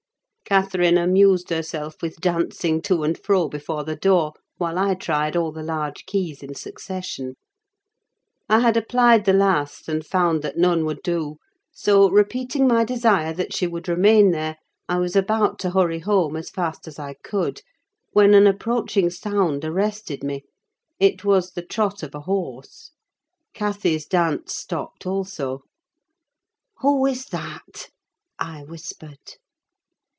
Catherine amused herself with dancing to and fro before the door, while I tried all the large keys in succession. I had applied the last, and found that none would do; so, repeating my desire that she would remain there, I was about to hurry home as fast as I could, when an approaching sound arrested me. It was the trot of a horse; Cathy's dance stopped also. "Who is that?" I whispered.